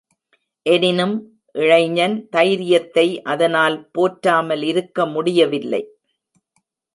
எனினும் இளைஞன் தைரியத்தை அதனால் போற்றாமல் இருக்க முடியவில்லை.